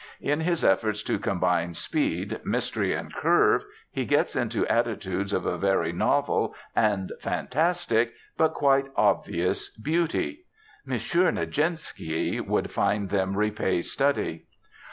In his efforts to combine speed, mystery, and curve, he gets into attitudes of a very novel and fantastic, but quite obvious, beauty. M. Nijinsky would find them repay study.